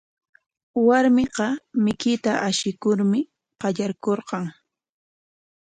Warmiqa mikuyta ashikurmi qallaykurqan.